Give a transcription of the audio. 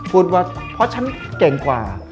พูดว่าเพราะฉันเก่งกว่า